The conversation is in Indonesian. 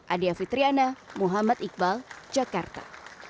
adia fitriana muhammad iqbal jakarta